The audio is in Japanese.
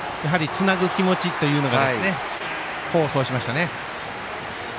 つなぐ気持ちというのが功を奏しましたね。